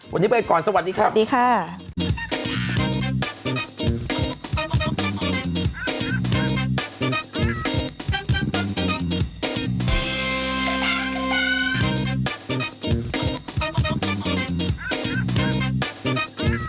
วันนี้ไปก่อนสวัสดีครับสวัสดีค่ะ